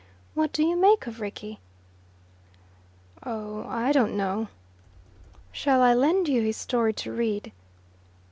What do you make of Rickie?" "Oh, I don't know." "Shall I lend you his story to read?"